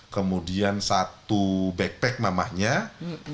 kemudian satu backpack memahami